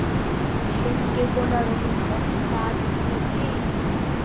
შენ გეგონა, რომ იმ კაცს დაარწმუნებდი?!